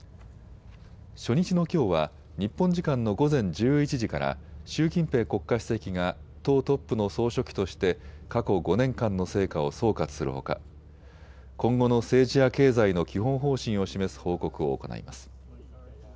初日のきょうは日本時間の午前１１時から習近平国家主席が党トップの総書記として過去５年間の成果を総括するほか今後の政治や経済の基本方針を示す報告を行います。